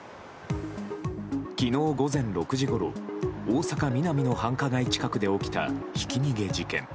昨日午前６時ごろ大阪ミナミの繁華街近くで起きたひき逃げ事件。